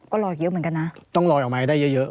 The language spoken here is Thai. ก็ลอยเยอะเหมือนกันนะต้องลอยออกมาให้ได้เยอะเยอะ